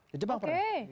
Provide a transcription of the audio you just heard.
ke jepang pernah